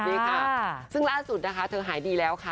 นี่ค่ะซึ่งล่าสุดนะคะเธอหายดีแล้วค่ะ